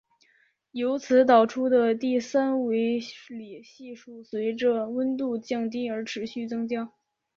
由此导出的第三维里系数随着温度降低而持续增加。